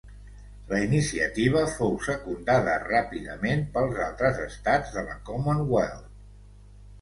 La iniciativa fou secundada ràpidament pels altres estats de la Commonwealth.